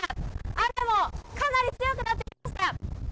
雨もかなり強くなってきました。